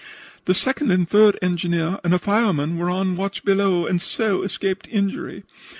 The second and the third engineer and a fireman were on watch below and so escaped injury.